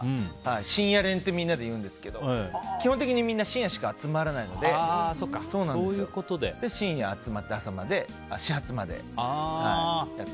深夜練ってみんなで言うんですけど基本的みんな深夜しか集まらないので深夜に集まって、始発までやって。